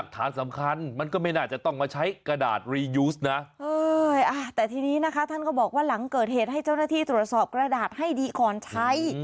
แต่ทีนี้นะคะท่านก็บอกว่าหลังเกิดเหตุให้เจ้าหน้าที่ตรวจสอบกระดาษให้ดีก่อนใช้